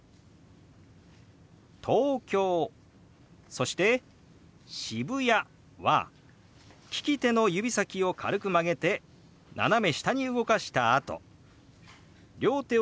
そして「渋谷」は利き手の指先を軽く曲げて斜め下に動かしたあと両手をこのように動かします。